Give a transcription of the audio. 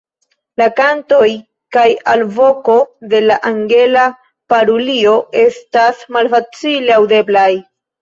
La kantoj kaj alvoko de la Angela parulio estas malfacile aŭdeblaj.